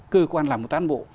cơ quan làm công tác căn bộ